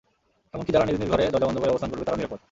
এমনকি যারা নিজ নিজ ঘরে দরজা বন্ধ করে অবস্থান করবে তারাও নিরাপদ।